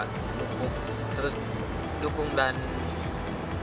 terus dukung dan berharga